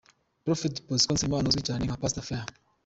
Prophet Bosco Nsabimana uzwi cyane nka Pastor Fire